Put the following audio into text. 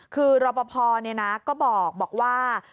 คือรอปภก็บอกว่า